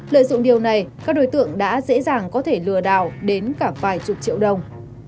lợi dụng điều này các đối tượng đã dễ dàng có thể lừa đảo đến cả vài chục triệu đồng